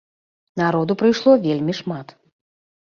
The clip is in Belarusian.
Народу прыйшло вельмі шмат.